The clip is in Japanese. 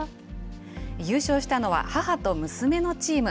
優勝したのは、母と娘のチーム。